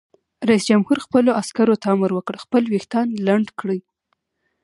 رئیس جمهور خپلو عسکرو ته امر وکړ؛ خپل ویښتان لنډ کړئ!